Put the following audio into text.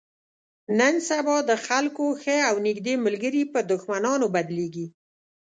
نن سبا د خلکو ښه او نیږدې ملګري په دښمنانو بدلېږي.